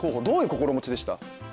どういう心持ちでした？